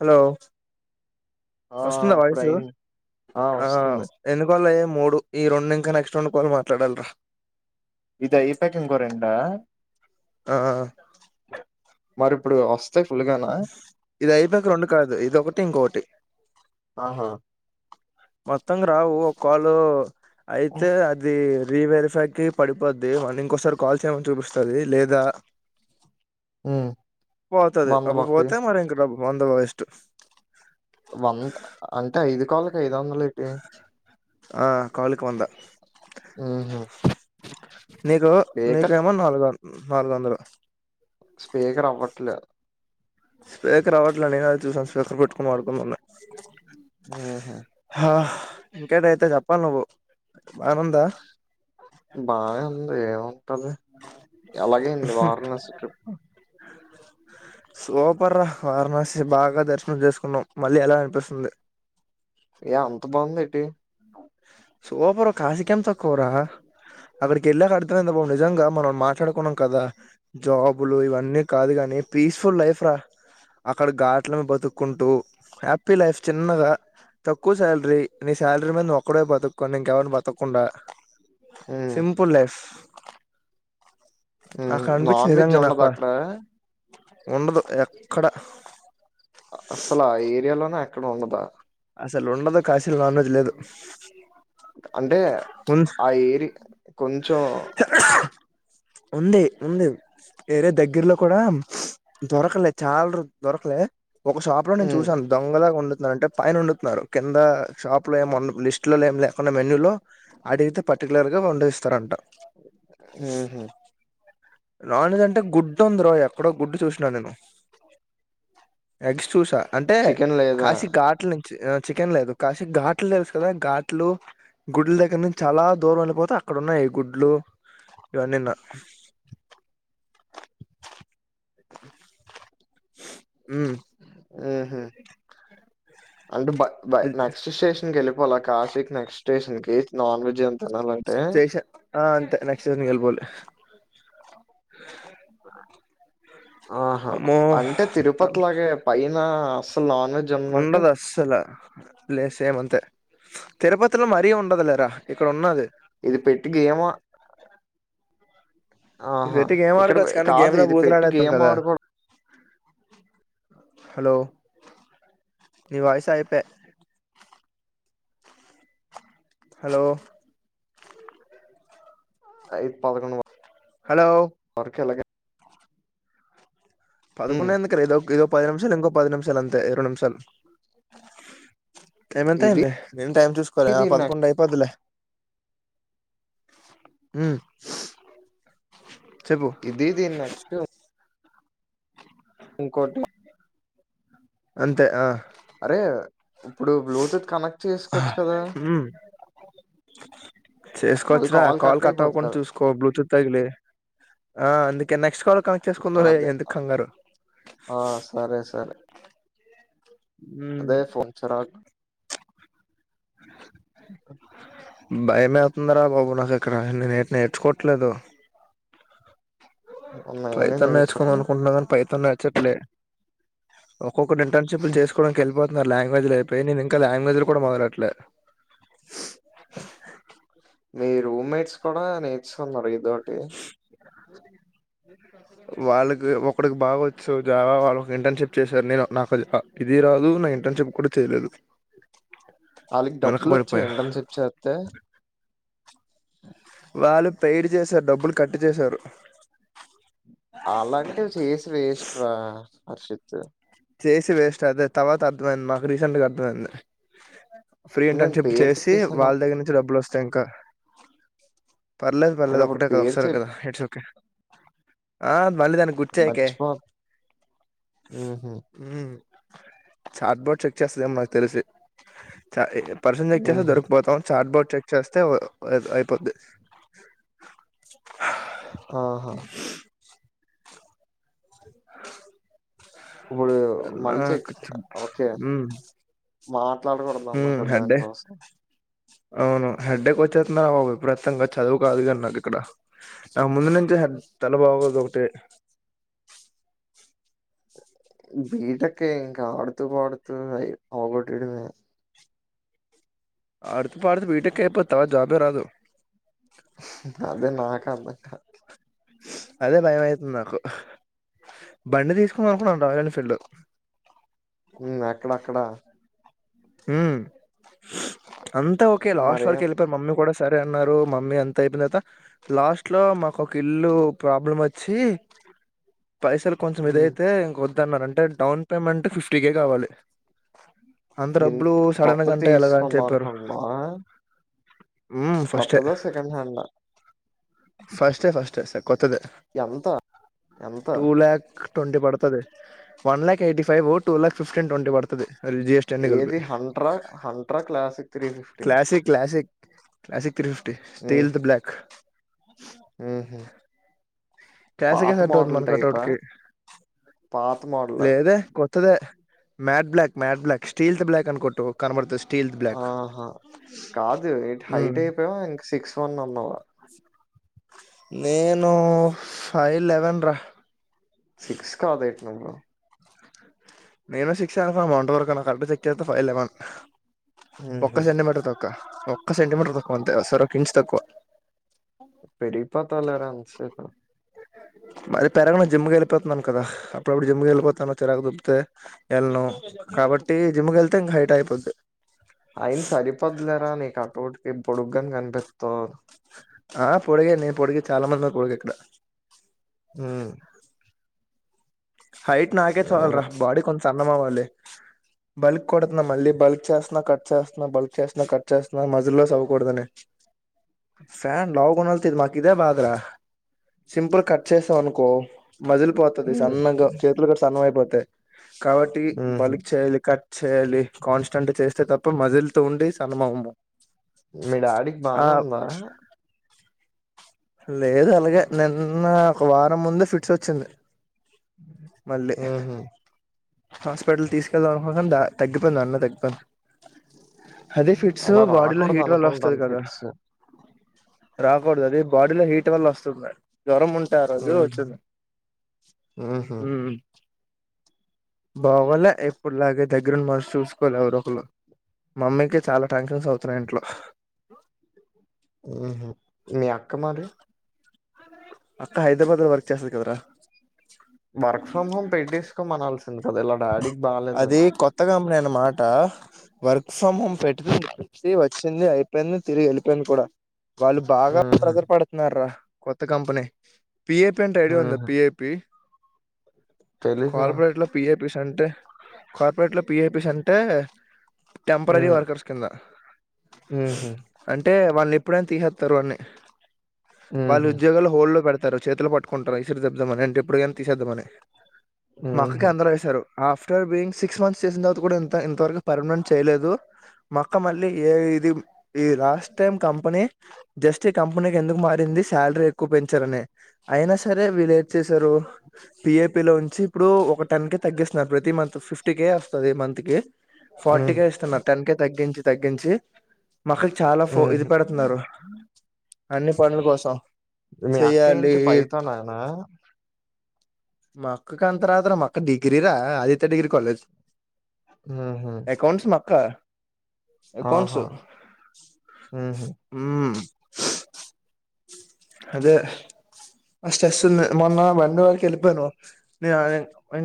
Hello ఆ వస్తుంద ఇప్పుడు వాయిసు అయింది ఆ ఎందుకోల ఏం మూడు ఈ రెండు ఇంకా నెక్స్ట్ రెండు ఫోన్ మాట్లాడాలరా ఇదయిపోయాక ఇంకో రెండ ఆ మరి ఇప్పుడు ఆస్ ఇది అయిపాక రెండు కాదు ఇది ఒకటి ఇంకొకటి ఆహా మొత్తం రావు ఒక కాల్ అయితే అది రీవరిఫైకిి పడిపోద్ది మళ ఇంకోసారి కాల్ చేయమని చూపిస్తది లేదా ఉమ్ పోతది వంద అబు బొక్కయి పోతే మరి ఇంక డబ్బ వంద వేస్ట్ వంద అంటే ఐదు కాళ్ళకి ఐదు వందలు ఏటీ ఆ కాలికి వందా ఉహు నీకు స్పీకర్ నీకేమో నాలుగు నాలుగు వందలు స్పీకర్ అవ్వట్లే స్పీకర్ అవ్వట్ల నేనా అది చూసాను స్పీకర్ పెట్టుకని వాడుకుందనుకున్న ఊహు ఇంకేటయితే చెప్పాలి నువ్వు వానుందా బానేంది ఏముంటది ఎలాగైంది వారాణసి ట్రిప్ సూపర్ రా వారణాసి బాగా దర్శనం చేసుకున్నాం మళ్ళీ ఎలా అనిపిస్తుంది ఏ అంత బాగుంది ఏటి సోపరు కాసికేం తక్కురా అక్కడికి వెళ్ళాక అర్థమైంది బా నిజంగా మనం మాట్లాడుకున్నాం కదా జాబులు ఇవన్నీ కాదు కాని పీస్ఫుల్ లైఫ్ రా అక్కడ ఘాట్లను బతుక్కుంటూ హ్యాపీ లైఫ్ చిన్నగా తక్కువ శాలరీ నీ శాలరీ మీద నువ్ ఒ క్కడే బతుకుని ఇంకెవరిని బతకుండా ఉమ్ సింపుల్ లైఫ్ ఉమ్ అక్కడ అనిపించి నాన్ వెజ్ నిజంగా ఉండదా నాకు అక్కడ ఉండదు ఎక్కడ అస్సలు ఆ ఏరియాలోనే ఎక్కడ ఉండదా అసలు ఉండదు కాశీలో నాన్ వెజ్ లేదు అంటే ప్చ్ ఉం- ఆ ఏరియా కొంచెం ఉంది ఉంది ఏరియా దగ్గర్లో కూడా దొరకలే చాలా రో దొరకలేదు ఒక షాప్ లో నేను ఉమ్ చూసాను దొంగలాగా వండుతున్న అంటే పైన వండుతున్నారు కింద షాప్ లో ఏమో లిస్ట్ లో ఏమి లేకుండా మెన్యూ లో అడిగితే పర్టికులర్ గా ఇగ వండిస్తారంట ఉహు నాన్జ్ అంటే గుడ్డు ఉందిరో ఎక్కడో గుడ్డు చూసినా నేను ఎగ్స్ చూసా అంటే చికెన్ లేదా కాశీ ఘాట్లీ నీ చికెన్ లేదు కాసి ఘాట్లు తెలుసు కదా ఘాట్లు గుడ్ల దగ్గర నుంచి చాలా దూరం వెళ్ళిపోత అక్కడ ఉన్నాయి గుడ్లు ఇవన్నీ నూ ఊ ఆహ అంటే బయ్ బై నెక్స్ట్ స్టేషన్ కి వెళ్ళిపోవాల కాశీకి నెక్స్ట్ స్టేషన్ కి నాన్ వెజ్ ఇ అనాలంటే చేసా ఆ అంతే నెక్స్ట్ ఇయర్కి వెళ్లిపోవాలే ఆహా అంటే తిరుపతి లాగే పైన అస్సలు నాన్ వెజ్ ఉన్నట్టు ఉండదు అస్సలా లేదు సేమ్ అంతే తిరుపతిలో మరీ ఉండదు లేరా ఇక్కడ ఉన్నది ఇది పెట్టి గేమో ఇది పెట్టి గేమ్ ఇక్కడ పె ఆడుకోవచ్చు కానీ కాదు గేమ్ లో ఇది పెట్టి భూతులాడేతాం గేమ్ కదా ఆడకూడదు. హలో నీ వాయిస్ అయిప హలో అయి పదకొండు హలో హ్మ్. పదకొండ్ ఎందుకు రా ఏదో ఇదో పది నిమిషాలు ఇంకో పది నిమిషాలు అంతే ఇరవై నిమిషాలు టైం ఎంత ఇది అయింది నేను టైం చూసుకోలే ఆ దీని నెక్స్ట్ పదకొండు అయిపోదిలే ఉమ్ చెప్పు ఇది ఇదిన్ నెక్స్ట్ ఇంకోటే అంతే ఆ అరే ఇప్పుడు బ్లూటూత్ కనెక్ట్ చేసుకోవచ్చు కదా ఉమ్ మళ్ళీ చేసుకోవచ్చురా కాల్ కట్ అయిపోద్ది కట్టవ్వకుండా కదా! చూసుకో బ్లూటూత్ తగిలి ఆ అందుకే నెక్స్ట్ కాల్ కనెక్ట్ ఆ చేసుకుందువులే అదే ఎందుకు కంగారు ఆ సరే సరే ఉమ్ అదే ఫోన్ చిరాకు అ భయమే అవుతుందారా బాబు నాకు ఇక్కడ నేను ఏటి నేర్చుకోవట్లేదు ఉన్నాయి అని పైథాన్ నేను నేర్చుకోందని చెప్పలే. అనుకుంటున్నా కాని పైథాన్ నేర్చు చ్చట్లే ఒక్కొక్కటి ఇంటర్న్షిప్ చేసుకోవడానికి వెళ్ళిపో నా లాంగ్వేజ్ లో అయిపోయి నేను ఇంకా లాంగ్వేజ్లు కూడా మొదలట్లే మీ రూమ్మేట్స్ కూడా నేర్చున్నారు ఇదోటి అ వాళ్ళకి ఒకడికి బాగొచ్చు జవా వాళ్ళ ఇంటర్న్షిప్ చేశారు నేను నాకు ఇది ఇది రాదు నా ఇంటర్న్షిప్ కూడా చేయలేదు వాళ్ళకి డబ్బులు వచ్చాయి వెనకబడిపోయా ఇంటర్న్షిప్ చేస్తే అ వాళ్ళు పెయిరు చేసారు డబ్బులు కట్టి చేసారు అలాంటివి చేసి వేస్ట్ రా హర్షిత్ చేసి వేస్ట్ అదే తర్వాత అర్థమైంది మాకు రీసెంట్గా అర్థమైంది ఫ్రీ నేను ఇంటర్న్షిప్ పేరు చేసి చెప్పేసాను. వాళ్ళ దగ్గర నుంచి డబ్బులు వస్తాయి ఇంకా పర్లేదు పర్లేదు నేనిప్పుడు ఒకటే కదా పేరు చెప్ ఒకసారెకదా ఇట్స్ ఓకే ఆ మళ్ళీదాన్నీ గుర్చెయికే మర్చిపో హుహు. ఉమ్ చాట్ బోర్డ్ చెక్ చేస్తుందేమో మాకు తెలిసి చ ప్రసిందేక్తేమో హుహు. దొరికుతం చాట్ బోడ్ చెక్ చేస్తే అయిపొద్ది ఆహా ఇప్పుడు ఎలా మళ్ళీ కొచ్చెం ఉమ్ మాట్లాడకూడదమ్మా పెద్ద దానికోసం అవును హెడ్డక్ వచ్చేస్తుంది రా బాబు విప్రీతంగా చదువు కాదు కానీ నాకు ఇక్కడ ముందు నుంచి తల బాగోదు ఒకటి బిటెక్కే ఇంకా ఆడుతూ పాడుతూ అ అవ్వగోటైడమే అడుతు పాడుతు బిటెక్ అయిపొతా జాబే రాదు అదే నాక అందంటా అదే భయం అయితుంది నాకు బండి తీసుకుందాం అనుకున్నాం రాయల్ ఎన్ఫీల్డ్ మ్మ్ అక్కడ అక్కడా మ్మ్ అంత ఓకే లాస్ట్ వరకు మరేం కెల్లిపొయి మమ్మీ కూడా సరే అన్నారు మమ్మీ అంత అయిపోయిన తరువాత లాస్ట్ లో మాకు ఒక ఇల్లు ప్రాబ్లం వచ్చి పైసలు కొంచెం హ్మ్. ఇదైతే ఇంక వద్దన్నారు అంటే డౌన్ పేమెంట్ ఫిఫ్టీ కే కావాలి అంత డబ్బులు ఎంత్ సడన్ కొత్తది అంటే ఎలాగ అని తీసుకుందాం చెప్పారు హ్మ్ కొత్తద సెకెండ్ హ్యాండ్ లా ఫస్ట్ ఏ ఫస్ట్ ఏ కొత్తదే ఎంత ఎంత టూ ల్యాక్ ట్వంటీ పడుతాది one lakh eighty five two lakh fifteen twenty పడుతాది అలజి జీఎస్టీ అన్ని కలిపి ఏది హంట్రా హంట్రా classic three fifty classic classic classic three fifty stealth black ఉహు క్లాసిక్ ఏ సెట్ అవుతుంది మన కటౌట్ కి పాత మోడల్ లేదే కొత్తదే matte black matte black stealth black అనికొట్టు కనబడుతాది ఆహా కాదు ఎట్ హైట్ మ్మ్ అయిపోవా ఇంక సిక్స్ వన్ అన్నవా నేను ఫైవ్ లెవెన్ రా సిక్స్ కాదేటి నువ్వు నేను సిక్స్ అనుకున్న మొన్నటి వరకు కరెక్ట గా చెక్ చేస్తే ఫైవ్ లెవెన్ ఒక్క ఉహుం. సెంటమీటర్ తక్కువ ఒక్క సెంటీమీటర్ తక్కువ అంతే అర ఇంచు తక్కువ పెరిగి పొతావులేర ఎంతసేపు [inaudible] మరి పెరగాను జిమ్కి వెళ్ళిపోతున్నాను కదా అప్పుడప్పుడు జిమ్కి వెళ్ళిపోతాను చిరకు దొబ్బితే వెళ్ళను కాబట్టి అంటే జిమ్ వెళ్తే ఇంకా హైట్ అయిపోద్ది ఆయి సరిపోద్లేరా నీ కటౌటీకి పొడుగ్గా గానే కనిపిత్తావు ఆ పొడుగే నేను పొడుగే చాలా మంది ఉన్నారు పొడుగ ఇక్కడ మ్మ్ హైట్ నాకే చాలు రా బాడి కొంచెం అందం అవ్వాలి బల్క్ కొడతున్నా మళ్ళీ బల్క్ చేస్తున్నా కట్ చేస్తున్నా బల్క్ చేస్తున్నా కట్ చేస్తున్నా మజలో సవ కొడదని ఫ్యాన్ లావు ఉన్నొల్తో మాకు ఇదే భాద రా సింపుల్ కట్ చేసావ అనుకో మజల్ పోతాది ఉమ్. సన్నగా చేతులు కూడ సన్నగా అయిపోతాయి కాబట్టి ఉహుం. బల్క్ చేయలి కట్ చేయాలి కాన్స్టెంట్ చేస్తే తప్ప మజలితో ఉండి సన్నమము మీ డాడీకి బానే ఉందా లేదు అలాగే నిన్న ఒక వారం ముందే ఫిట్స్ వచ్చింది మళ్ళీ ఉహుం. హాస్పిటల్ కి తీసుకెళ్దాం అనుకున్నా కాని తగ్గిపోయింది ఆడనే తగ్గిపొయింది అదే ఫిట్స్ అలా బాడీ లో రాకూడదు హీట్ వల్ల వస్తాది అనుకుంటాను కదా ఫిట్స్ రాకూడదు అది బాడీలో హీట్ వల్ల వస్తుంది జ్వరం ఉంటే ఆ రోజు వచ్చింది హుహు. బాగొలే ఎప్పుడు లాగే దగ్గర ఉండి మనిషి చూసుకోవలే ఎవరొ ఒకరు మమ్మీకి చాలా టెన్సెన్స్ అవుతున్నాయి ఇంట్లో ఉహు మీ అక్క మరి అక్క హైదరాబాద్ లో వర్క్ చేస్తాది కదార వర్క్ ఫ్రమ్ హోమ్ పెట్టేసుకోమనాల్సింది కదా ఇలా డాడీకి బాగాలేదని నేను మాట వర్క్ ఫ్రమ్ హోమ్ పెట్తే వచ్చింది అయిపోయింది తిరిగి వెళ్ళిపోయింది కూడా వాళ్ళు బాగా హుహు. ప్రెజర్ పేడుతున్నారు రా కొత్త కంపెనీ పిఏపి అంటే ఐడియా ఉందా హుహు. పిఏపి తెలీదురా. కార్పొరేట్ లో పి ఎ పిస్ అంటే కార్పొరేట్ లో పి ఏ పిస్ అంటే టెంపరరీ వర్కర్స్ కింద హూ హ్మ్ వాళ్ళు ఎప్పుడైనా తీసేస్తారు వాని వాళ్ళు హుహు. ఉద్యోగాలు హోల్డ్ లో పెడత రు చేతులు పట్టుకుంటరూ ఇరుదిద్దామని అంటే ఎప్పుడునీ తీసేద్దామని మాక్క హుహు. అంద ఆఫ్టర్ బియింగ్ సిక్స్ మంత్స్ చేసిన తరూవాత కూడా ఇంత వరకు పర్మనెంట్ చేయలేదు మక్క మళ్ళీ ఏ ఇది ఇ లాస్ట్ టైం కంపెనీ జస్ట్ ఈ కంపెనీకి ఎందుకు మారింది శాలరీ ఎక్కువ పెంచారని అయినా సరే వీళ్ళు ఏం చేసారు పిఏపి లో ఉంచి ఇప్పుడు ఒక టెన్ కే తగ్గిస్తున్నారు ప్రతి మంత్ ఫిఫ్టీకే వస్తుంది మంత్ కి హ్మ్. ఫార్టీకే ఇస్తున్నారు టెన్ కేే తగ్గించ తగ్గించి మక్కకి చాలా ఫో ఇది హుహు. పెడుతున్నారు అన్ని పనుల కోసం మీ అక్క చెయ్యాలి ఏంటి పైథాన్ నేనా మక్కకు అంతారద్ర మక్క డిగ్రీరా ఆదిత్య డిగ్రీ కాలేజ్ హుహు. అకౌంట్స్ మాక్క అకౌంట్స్ ఆహా! హుహు. హ్మ్ అదే మస్త్ స్ట్రెస్ ఉంది మొన్న బండి వారికి వెళ్ళపోయిన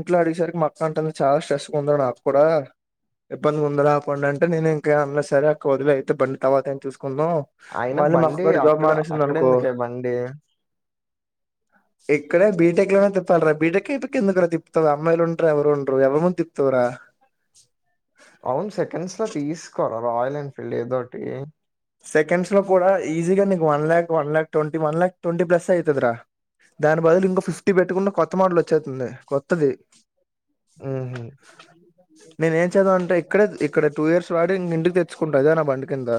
ఇట్లా అడిగేసరికి మక్క అంటుంది చాలా స్ట్రెస్ గా ఉంది నాకు కూడా ఇబ్బంది ఉంది అకౌంట్ అంటే నేను ఇంకా అన్న సరే ఓడిలేయ్ అయితే బండి తర్వాతైన తీసుకు కొందం అయినా మళ్ళీ మాక్క బండి కూడా జాబ్ అక్కడ మానేసింది అనుకో అక్కడెందుకే బండి? ఇక్కడే బీటెక్ లోనే తిప్పాలరా బీటెక్ ఎందుకు తిప్ప వ అమ్మాయిలు ఉండ్రూ ఎవరు ఉండ్రూ ఎవరి ముందు తిప్పుతవు రా అవును సెకండ్స్ లో తీసుకోరా రాయల్ ఎన్ఫీల్డ్ ఏదోటి సెకండ్స్ లో కూడా ఈజీగా నీకు one lakh one lakh twenty one lakh twenty plus అవుతుంది రా దాని బదులు ఇంకో ఫిఫ్టీ పెట్టుకంటే కొత్త మోడల్ వచ్చేతుంది కొత్తది హుహు. అ నేను ఏం చేదావ అంటే ఇక్కడే ఇక్కడ టూ ఇయర్స్ వాడి ఇ ఇంటికి తెచ్చుకుంటా అదే నా బండి కింద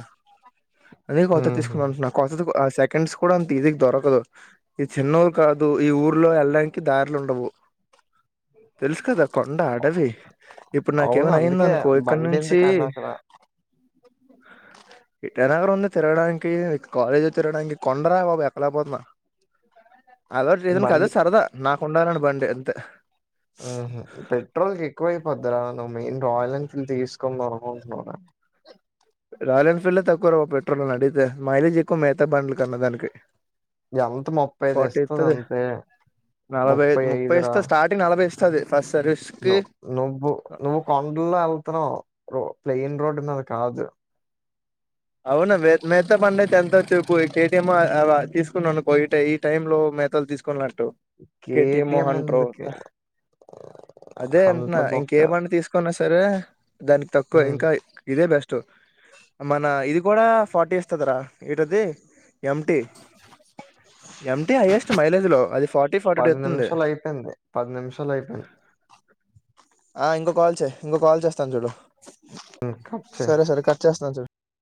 అదే కొత్తది హుహు. తీసుకొందాం అంటున్నా కొత్తది సెకండ్స్ కూడా అంత ఈజీ గా దొరకదు ఈ చిన్న ఊరు కాదు ఈ ఊర్లో వెళ్డానికి దారిలు ఉండవు తెలుసు కదా కొండ అడవి ఇప్పుడు అవును నాకేమనా అయింది అందుకే అనుకో ఇక్కడ నుంచి బండెందుకని అక్కడ [unintelligible] తిరగడానికి కాలేజ్ లో తిరడానికి కొండరా బాబు ఎక్కలేకపోతునా అలా చేసిన బండి కదే సరదా నాకుండాలని బండి అంతే ఆహ పెట్రోల్ కి ఎక్కువ అయిపోది రా మెయిన్ రాయల్ ఎన్ఫీల్డ్ తీసుకు దమ్ అనుకుంటున్నావ్ కదా రాయల్ ఎన్ఫీల్డ్ తక్కువ రా పెట్రోల్ అడిగితే మైలేజ్ ఎక్కువ మిగతా బండ్ల కన్నా దానికి ఎంత ఫటీతది తెస్తదంతే. నలభై ముప్పై రా. ఇస్తది స్టార్టింగ్ నలభై ఇస్త ను నువ్వు నువ్వు కొండల్లో వెళ్తున్నావు ర ప్లెయిన్ రోడ్ మీద కాదు అవునా మిగతా బండి అయితే ఎంత అయితది కేటీఎం తీసుకున్నా అనుకో ఈ టైమ్ లో మేతలు తీసుకున్నట్టు కెటిఏం కేటీఎం మోహన్ టో ఎందుకే? అదే అంటన్నా హంటర్ బొక్క. ఇంకే బండి తీసుకున్న స రే దానికి తక్కువ హ్మ్. ఇంకా ఇదే బెస్ట్ మన ఇది కూడా ఫార్టీ ఇస్తుందిరా ఏంటి ఇది ఏం టి ఏం టి హైయెస్ట్ మైలేజ్ లో అది ఫార్టీ ఫార్టీ టూ వతుంది నిమిషాలయిపోయింది. నిమిషాలయిపోయింది. ఆ ఇంకో కాల్ చేయి ఇంకో కాల్ చేస్తాను చూడు హ్మ్. కట్ చెయ్. సరే సరే కట్ చేస్తాను చూడు